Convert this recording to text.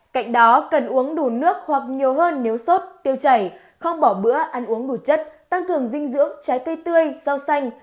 cạnh đó cần uống đủ nước hoặc nhiều hơn nếu sốt tiêu chảy không bỏ bữa ăn uống đủ chất tăng cường dinh dưỡng trái cây tươi rau xanh